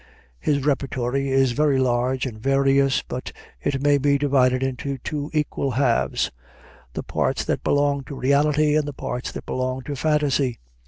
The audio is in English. His repertory is very large and various, but it may be divided into two equal halves the parts that belong to reality and the parts that belong to fantasy.